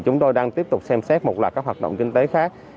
chúng tôi đang tiếp tục xem xét một loạt các hoạt động kinh tế khác